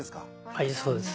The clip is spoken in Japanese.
はいそうです。